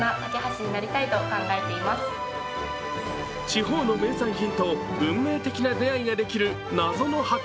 地方の名産品と運命的な出会いができる謎の箱。